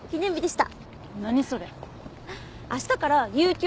した。